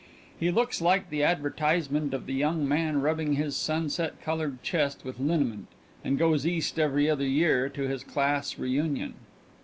He looks like the advertisement of the young man rubbing his sunset colored chest with liniment and goes East every other year to his class reunion.